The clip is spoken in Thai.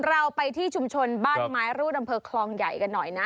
เราไปที่ชุมชนบ้านไม้รูดอำเภอคลองใหญ่กันหน่อยนะ